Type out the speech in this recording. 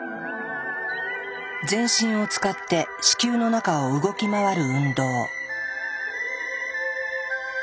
全身を使って子宮の中を動き回る運動。